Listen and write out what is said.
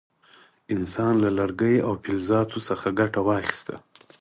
انسان له لرګیو او فلزاتو څخه ګټه واخیسته.